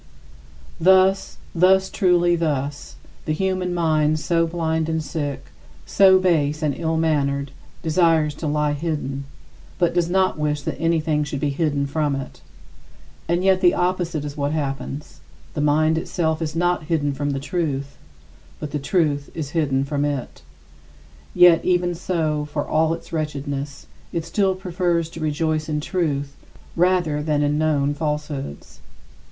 Thus, thus, truly thus: the human mind so blind and sick, so base and ill mannered, desires to lie hidden, but does not wish that anything should be hidden from it. And yet the opposite is what happens the mind itself is not hidden from the truth, but the truth is hidden from it. Yet even so, for all its wretchedness, it still prefers to rejoice in truth rather than in known falsehoods.